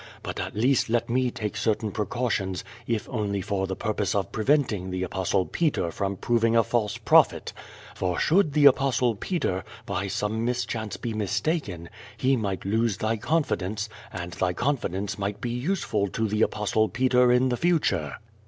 But at least let me take certain precautions, if only for the purpose of preventing the Apostle Peter from proving a false i)rophet, for should the Apostle Peter, by some mis chance be mistaken, he might lose tliy confidence, and tliy confidence might be useful to the Apostle l*eter in the future."